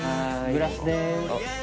グラスです。